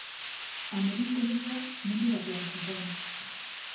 Hamelingo herria mendi batean zegoen.